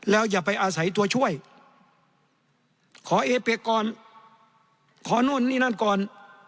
แล้วอย่าไปอาศัยตัวช่วยขอเอเป็กก่อนขอนู่นนี่นั่นก่อน